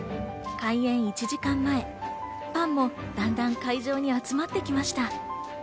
開演１時間前、ファンもだんだん会場に集まってきました。